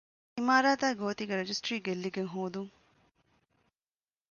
އިމާރާތާއި ގޯތީގެ ރަޖިސްޓްރީ ގެއްލިގެން ހޯދުން